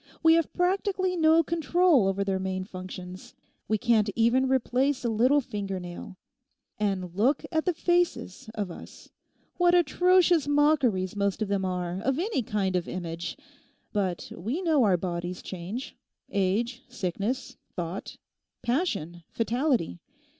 We have practically no control over their main functions. We can't even replace a little finger nail. And look at the faces of us—what atrocious mockeries most of them are of any kind of image! But we know our bodies change—age, sickness, thought, passion, fatality.